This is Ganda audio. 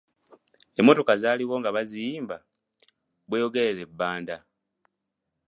Emmotoka zaaliwo nga ziyimba, "Bweyogerere-Bbanda".